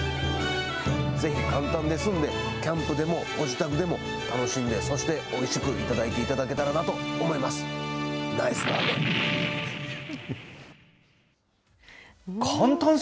ぜひ簡単ですので、キャンプでも、ご自宅でも楽しんで、そしておいしく頂いていただけたらなと思います。